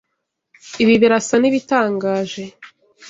Ibi birasa n'ibitangaje.